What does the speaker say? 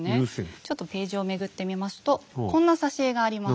ちょっとページをめくってみますとこんな挿絵があります。